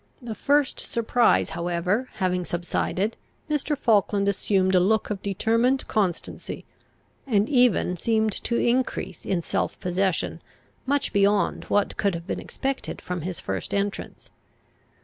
The first surprise however having subsided, Mr. Falkland assumed a look of determined constancy, and even seemed to increase in self possession much beyond what could have been expected from his first entrance.